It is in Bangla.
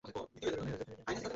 যদি রেডি হন, কর্পোরাল।